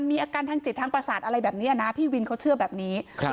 มีอาการทางจิตทางประสาทอะไรแบบนี้นะพี่วินเขาเชื่อแบบนี้ครับ